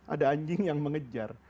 ada anjing yang mengejar